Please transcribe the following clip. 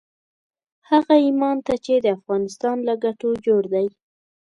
هغه ايمان ته چې د افغانستان له ګټو جوړ دی.